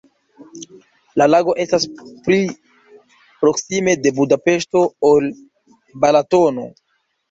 La lago estas pli proksime de Budapeŝto, ol Balatono.